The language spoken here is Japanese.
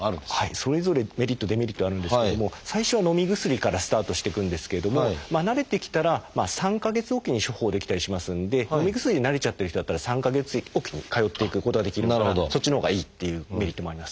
それぞれメリットデメリットあるんですけども最初はのみ薬からスタートしていくんですけれども慣れてきたら３か月置きに処方できたりしますんでのみ薬に慣れちゃってる人だったら３か月置きに通っていくことができるからそっちのほうがいいっていうメリットもあります。